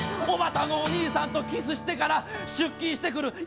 「おばたのお兄さんとキスしてから出勤してくる」